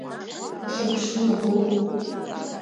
Уахьырԥшны уагоу?